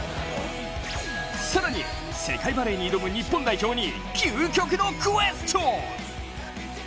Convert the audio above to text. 更に世界バレーに挑む日本代表に究極のクエスチョン。